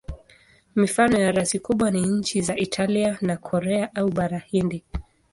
Mifano ya rasi kubwa ni nchi za Italia na Korea au Bara Hindi.